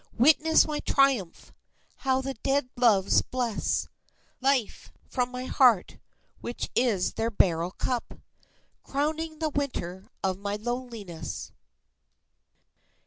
Witness my triumph how the dead loves bless Life from my heart, which is their beryl cup, Crowning the winter of my loneliness.